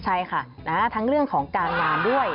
ใช่ค่ะทั้งเรื่องของการงานด้วย